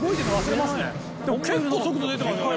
でも結構速度出てますよね